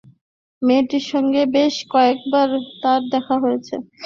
মেয়েটির সঙ্গে বেশ কয়েকবার তাঁর দেখা হয়েছে।